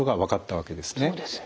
そうですね。